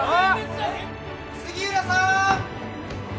杉浦さん！